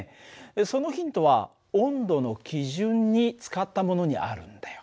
そのヒントは温度の基準に使ったものにあるんだよ。